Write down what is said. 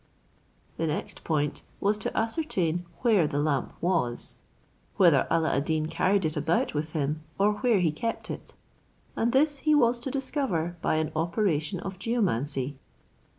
The next point was to ascertain where the lamp was; whether Alla ad Deen carried it about with him, or where he kept it; and this he was to discover by an operation of geomancy.